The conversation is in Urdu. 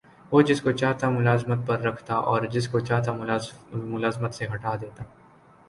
وہ جس کو چاہتا ملازمت پر رکھتا اور جس کو چاہتا ملازمت سے ہٹا دیتا